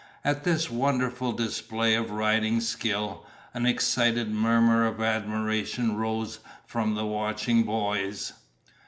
At this wonderful display of riding skill, an excited murmur of admiration rose from the watching boys.